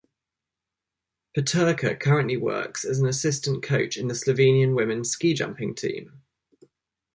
Peterka currently works as an assistant coach in the Slovenian women's ski jumping team.